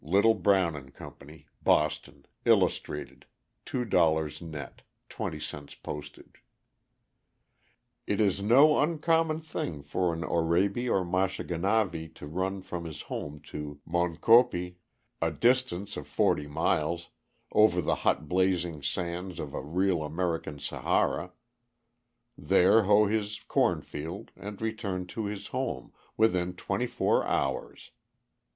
Little, Brown & Co., Boston, illustrated, $2.00 net, 20c postage. "It is no uncommon thing for an Oraibi or Mashonganavi to run from his home to Moenkopi, a distance of forty miles, over the hot blazing sands of a real American Sahara, there hoe his corn field, and return to his home, within twenty four hours.